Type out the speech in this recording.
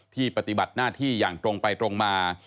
ปฏิบัติหน้าที่อย่างตรงไปตรงมา